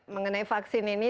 mengenai vaksin ini